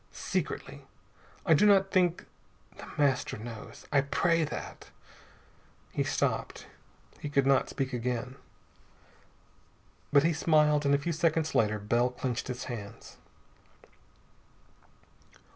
Secretly. I do not think the Master knows. I pray that " He stopped. He could not speak again. But he smiled, and a few seconds later Bell clenched his hands.